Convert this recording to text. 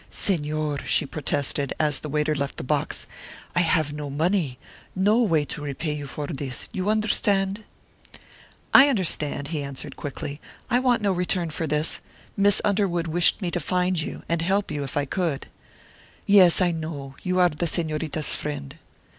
"Señor," she protested, as the waiter left the box, "I have no money, no way to repay you for this, you understand?" "I understand," he answered, quickly; "I want no return for this. Miss Underwood wished me to find you, and help you, if I could." "Yes, I know; you are the Señorita's friend."